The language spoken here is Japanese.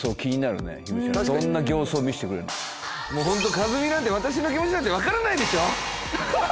一実なんて私の気持ちなんてわからないでしょ！